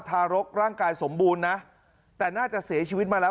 ทารกร่างกายสมบูรณ์นะแต่น่าจะเสียชีวิตมาแล้ว